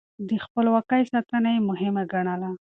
د خپلواکۍ ساتنه يې مهمه ګڼله.